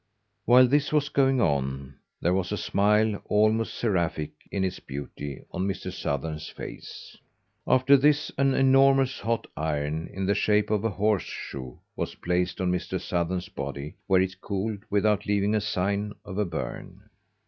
While this was going on, there was a smile, almost seraphic in its beauty, on Mr. Sothern's face. After this an enormous hot iron, in the shape of a horseshoe, was placed on Mr. Sothern's body, where it cooled, without leaving a sign of a burn.